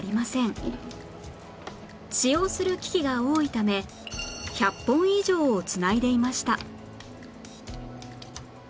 使用する機器が多いため１００本以上を繋いでいました